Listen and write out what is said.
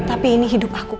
tapi ini hidup aku